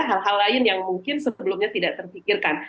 hal hal lain yang mungkin sebelumnya tidak terpikirkan